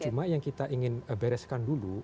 cuma yang kita ingin bereskan dulu